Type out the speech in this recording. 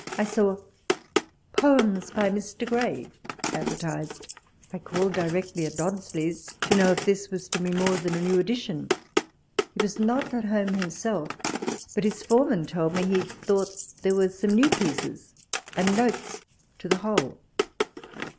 I saw Poems by Mr. Graif advertised : I called directly at Dodsley's to know if this was to be more than a new edition 1 He was not at home himself, but his foreman told me he thought there were some new pieces, and notes walpole's letters. 127 to the whole.